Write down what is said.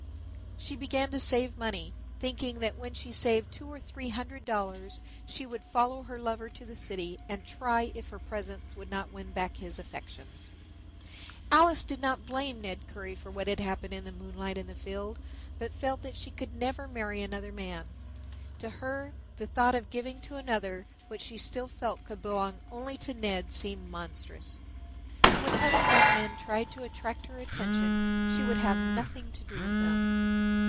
She began to save money, thinking that when she had saved two or three hundred dollars she would follow her lover to the city and try if her presence would not win back his affections. Alice did not blame Ned Currie for what had happened in the moonlight in the field, but felt that she could never marry another man. To her the thought of giving to another what she still felt could belong only to Ned seemed monstrous. When other young men tried to attract her attention she would have nothing to do with them.